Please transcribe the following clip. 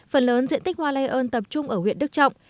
phần lớn diện tích hoa lây ơn tập trung ở huyện đức trọng